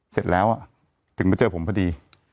เสร็จแล้วถึงมาเจอผมพอดี